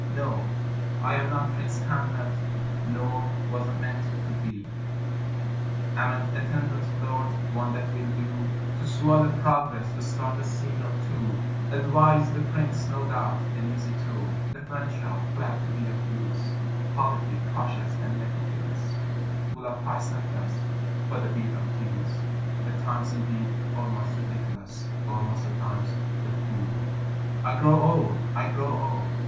..... No! I am not Prince Hamlet, nor was meant to be; Am an attendant lord, one that will do To swell a progress, start a scene or two Advise the prince; no doubt, an easy tool, Deferential, glad to be of use, Politic, cautious, and meticulous; Full of high sentence, but a bit obtuse; At times, indeed, almost ridiculous Almost, at times, the Fool. I grow old ... I grow old